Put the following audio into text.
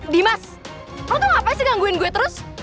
dimas aku tuh ngapain sih gangguin gue terus